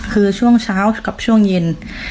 คือช่วงเช้ากับช่วงเย็น